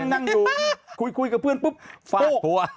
นั่งอยู่คุยกับเพื่อนปุ๊บปุ๊บ